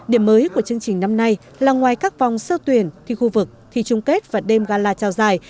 điểm mới của chương trình năm nay là ngoài các vòng sơ tuyển thi khu vực thi trung kết và đêm gala trao dài